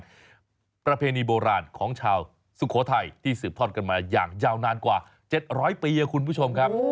เป็นประเพณีโบราณของชาวสุโขทัยที่สืบทอดกันมาอย่างยาวนานกว่า๗๐๐ปีครับคุณผู้ชมครับ